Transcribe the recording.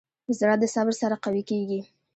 زړه د صبر سره قوي کېږي.